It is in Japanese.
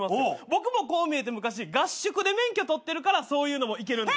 僕もこう見えて昔合宿で免許取ってるからそういうのもいけるんですよ。